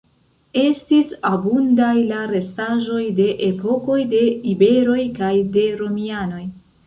Estis abundaj la restaĵoj de epokoj de iberoj kaj de romianoj.